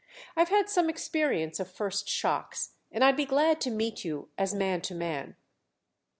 I've had some experience of first shocks, and I'd be glad to meet you as man to man."